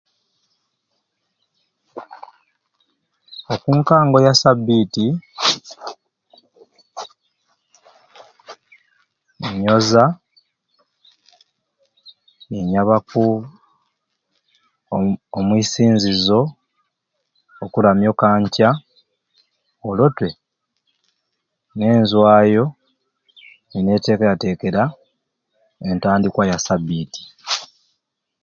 Okunkango ya sabiti nyooza ninyabaku omu omuisinzizo okuramya Okanca olwotte ninzwayo ninetekeratekera entandikwa ya sabiti.